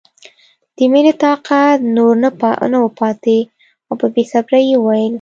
د مینې طاقت نور نه و پاتې او په بې صبرۍ یې وویل